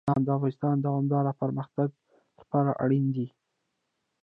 بادام د افغانستان د دوامداره پرمختګ لپاره اړین دي.